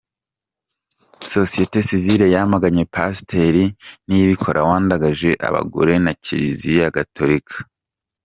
Sosiyete Sivile yamaganye Pasiteri Niyibikora wandagaje abagore na Kiliziya Gatolika.